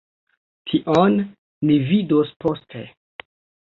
Tion ni vidos poste.